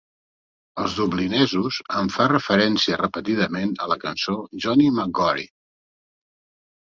Els dublinesos en fa referència repetidament a la cançó "Johnny McGory".